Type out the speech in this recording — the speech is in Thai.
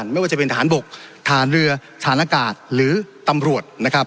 ไม่ว่าจะเป็นทหารบกฐานเรือฐานอากาศหรือตำรวจนะครับ